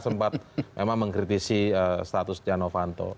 sempat memang mengkritisi status tiano fanto